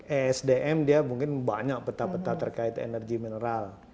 esdm dia mungkin banyak peta peta terkait energi mineral